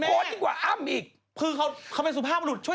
ไม่ใช่เพราะเขาถามคุณไหน